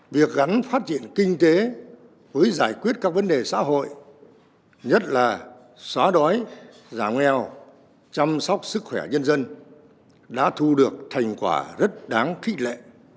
việc gắn phát triển kinh tế với giải quyết các vấn đề xã hội nhất là xóa đói giảm nghèo chăm sóc sức khỏe nhân dân đã thu được thành quả rất đáng khích lệ